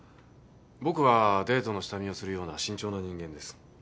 僕はデートの下見をするような慎重な人間です。